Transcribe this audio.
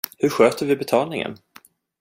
Hur sköter vi betalningen?